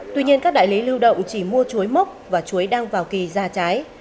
tuy nhiên các đại lý lưu động chỉ mua chuối mốc và chuối đang vào kỳ ra trái